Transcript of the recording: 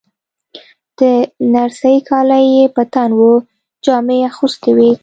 د نرسې کالي یې په تن وو، جامې یې اغوستې وې.